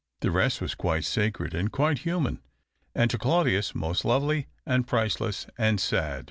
The rest was quite sacred, and quite human, and to Claudius most lovely, and priceless, and sad.